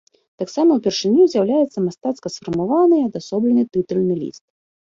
Таксама упершыню з'яўляецца мастацка сфармаваны і адасоблены тытульны ліст.